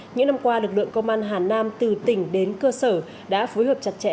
những năm qua lực lượng công an hà nam từ tỉnh đến cơ sở đã phối hợp chặt chẽ